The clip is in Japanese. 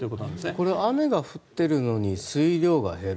これは雨が降っているのに水量が減る。